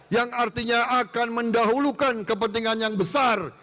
yang artinya akan mendahulukan kepentingan yang besar